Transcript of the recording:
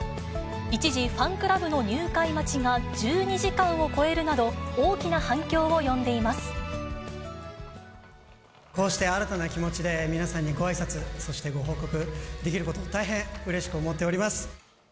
一時、ファンクラブの入会待ちが１２時間を超えるなど、こうして新たな気持ちで皆さんにごあいさつ、そしてご報告できることを大変うれしく思っております。